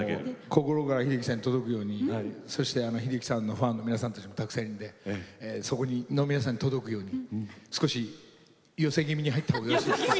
心から秀樹さんに届くようにそして秀樹さんのファンの皆さんたちもたくさんいるのでそこの皆さんに届くように少し寄せ気味に入った方がよろしいですか？